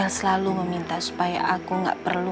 saya selalu meminta supaya aku gak perlu